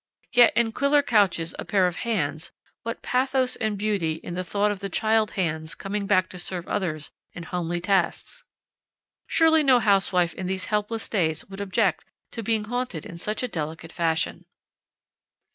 Yet, in Quiller Couch's A Pair of Hands, what pathos and beauty in the thought of the child hands coming back to serve others in homely tasks! Surely no housewife in these helpless days would object to being haunted in such delicate fashion.